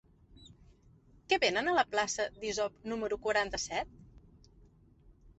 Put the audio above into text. Què venen a la plaça d'Isop número quaranta-set?